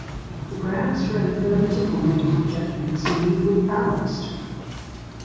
The grounds for an affirmative or negative judgment seem equally balanced.